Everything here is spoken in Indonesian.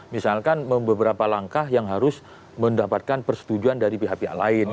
misalkan beberapa langkah yang harus mendapatkan persetujuan dari pihak pihak lain